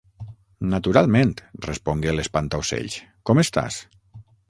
"Naturalment", respongué l'Espantaocells, "com estàs?"